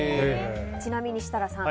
ちなみに設楽さん